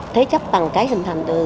thế chấp bằng cái hình thành